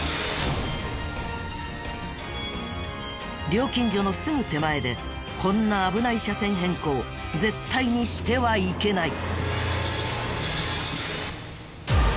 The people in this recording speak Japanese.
料金所のすぐ手前でこんな危ない車線変更絶対にしてはいけない。